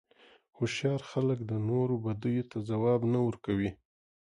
هوښیار خلک د نورو بدیو ته ځواب نه ورکوي.